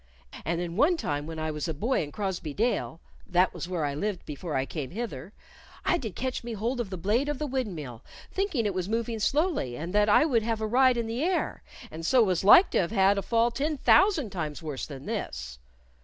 And then one time when I was a boy in Crosbey Dale that was where I lived before I came hither I did catch me hold of the blade of the windmill, thinking it was moving slowly, and that I would have a ride i' th' air, and so was like to have had a fall ten thousand times worse than this."